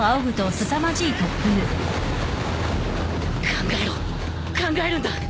考えろ考えるんだ